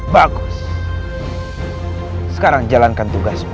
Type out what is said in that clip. bagus sekarang jalankan tugasmu